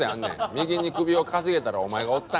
右に首をかしげたらお前がおったんや。